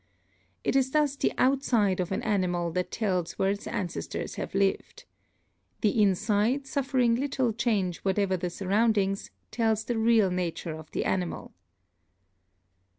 It is thus the outside of an animal that tells where its ancestors have lived. The inside, suf fering little change whatever the surroundings, tells the real nature of the animal.